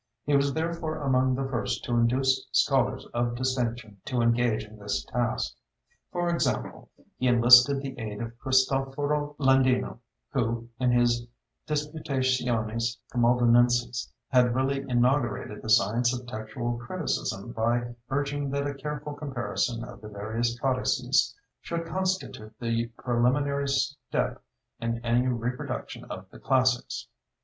He was therefore among the first to induce scholars of distinction to engage in this task. For example, he enlisted the aid of Cristoforo Landino, who in his Disputationes Camaldunenses had really inaugurated the science of textual criticism by urging that a careful comparison of the various codices should constitute the preliminary step in any reproduction of the classics.